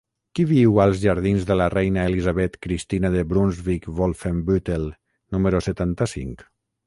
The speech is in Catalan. Qui viu als jardins de la Reina Elisabeth Cristina de Brunsvic-Wolfenbüttel número setanta-cinc?